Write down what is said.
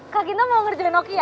kak ginda mau ngerjain oki ya